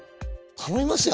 頼みますよ